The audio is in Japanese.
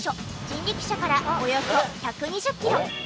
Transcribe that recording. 人力舎からおよそ１２０キロ。